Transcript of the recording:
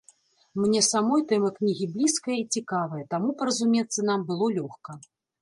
Мне самой тэма кнігі блізкая і цікавая, таму паразумецца нам было лёгка.